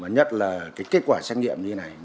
nhất là kết quả xét nghiệm như thế này